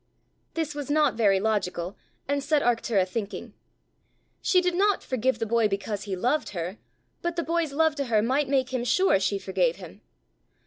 This was not very logical, and set Arctura thinking. She did not forgive the boy because he loved her; but the boy's love to her might make him sure she forgave him!